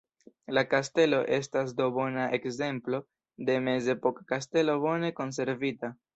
La kastelo estas do bona ekzemplo de mezepoka kastelo bone konservita.